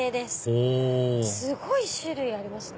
ほうすごい種類ありますね。